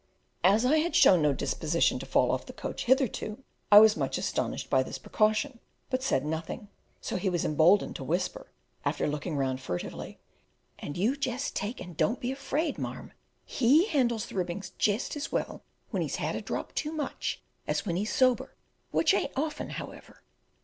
As I had shown no disposition to fall off the coach hitherto, I was much astonished by this precaution, but said nothing. So he was emboldened to whisper, after looking round furtively, "And you jest take and don't be afraid, marm; he handles the ribbings jest as well when he's had a drop too much as when he's sober, which ain't often, however."